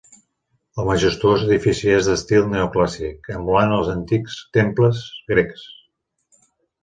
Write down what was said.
El majestuós edifici és d'estil neoclàssic, emulant els antics temples grecs.